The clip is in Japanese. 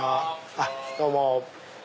あっどうも。